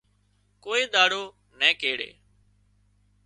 ڪوئي ۮاڙو نين ڪيڙي